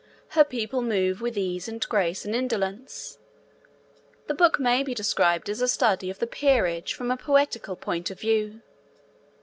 Her people move with ease and grace and indolence. The book may be described as a study of the peerage from a poetical point of view.